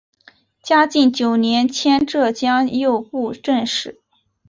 嘉靖九年迁浙江右布政使。